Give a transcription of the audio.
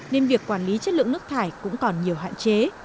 nên việc quản lý chất lượng nước thải cũng còn nhiều hạn chế